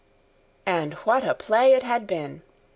And what a play it had been!